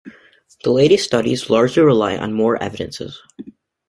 The latest studies largely rely on more evidences.